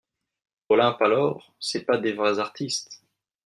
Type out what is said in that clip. Olympe Alors, c'est pas des vrais artistes …